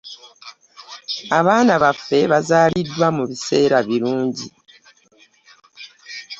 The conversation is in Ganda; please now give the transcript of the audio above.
Abaana baffe bazaaliddwa mu biseera birungi.